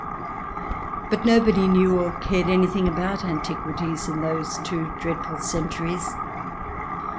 But nobody knew or cared anything about anti quities in those two dreadful centuries.